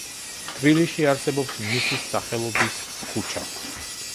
თბილისში არსებობს მისის სახელობის ქუჩა.